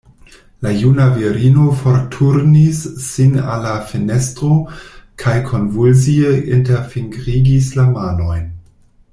La juna virino forturnis sin al la fenestro kaj konvulsie interfingrigis la manojn.